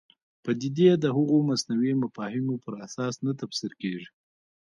پدیدې د هغو مصنوعي مفاهیمو پر اساس نه تفسیر کېږي.